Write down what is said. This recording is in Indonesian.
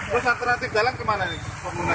terus alternatif jalan kemana ini